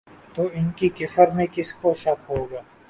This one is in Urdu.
تو ان کے کفر میں کس کو شک ہوگا